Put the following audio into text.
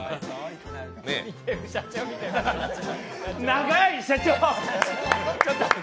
長い、社長！